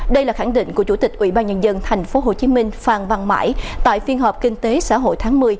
đây là khẳng định của chủ tịch ubnd tp hcm phan văn mãi tại phiên họp kinh tế xã hội tháng một mươi